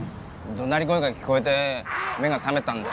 どなり声が聞こえて目が覚めたんだ